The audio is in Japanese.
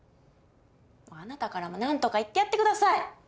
あなたからも何とか言ってやって下さい。